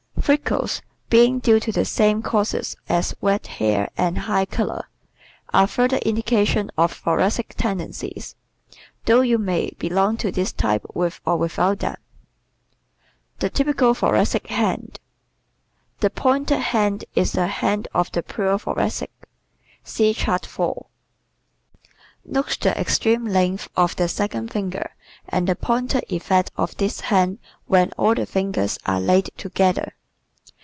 Freckles, being due to the same causes as red hair and high color, are further indications of thoracic tendencies, though you may belong to this type with or without them. The Typical Thoracic Hand ¶ The pointed hand is the hand of the pure Thoracic. (See Chart 4) Note the extreme length of the second finger and the pointed effect of this hand when all the fingers are laid together.